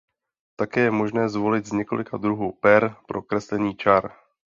Také je možné zvolit z několika druhů per pro kreslení čar.